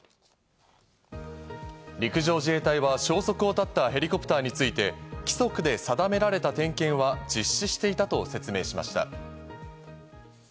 陸上自衛隊は消息を絶ったヘリコプターについて、規則で定められた点検は実施していたと説明しました。